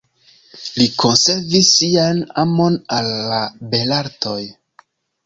Li konservis sian amon al la belartoj.